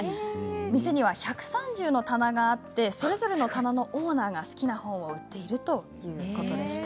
店には１３０の棚があってそれぞれ棚のオーナーが好きな本を売っているということでした。